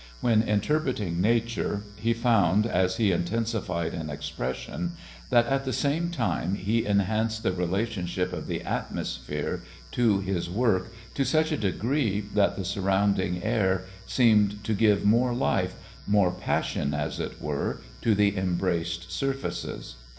When interpreting nature he found, as he intensified an expression, that, at the same time, he enhanced the relationship of the atmosphere to his work to such a degree that the surrounding air seemed to give more life, more passion, as it were, to the embraced surfaces.